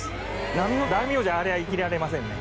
並の大名じゃあれは生きられませんね。